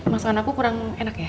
masukan aku kurang enak ya